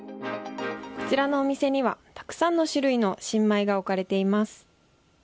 こちらのお店にはたくさんの種類の新米が置かれています。